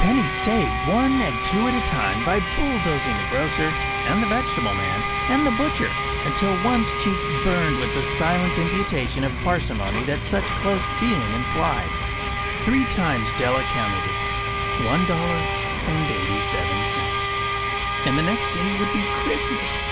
Pennies saved one and two at a time by bulldozing the grocer and the vegetable man and the butcher until one’s cheeks burned with the silent imputation of parsimony that such close dealing implied. Three times Della counted it. One dollar and eighty seven cents. And the next day would be Christmas.